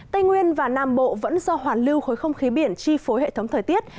tây nguyên và nam bộ vẫn do hoàn lưu khối không khí biển chi phối hệ thống thời tiết